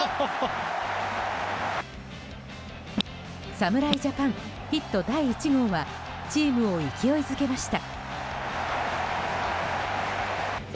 侍ジャパン、ヒット第１号はチームを勢いづけました。